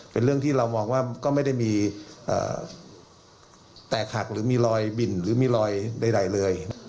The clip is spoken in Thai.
เป็นเรื่องที่เรามองว่าก็ไม่ได้มีแตกหักหรือมีรอยบินหรือมีรอยใดเลย